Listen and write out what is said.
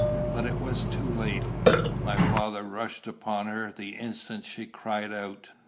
But it was too late. My father rushed upon her the instant she cried out.